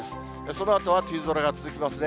そのあとは梅雨空が続きますね。